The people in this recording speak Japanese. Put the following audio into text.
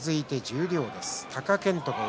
続いて十両です。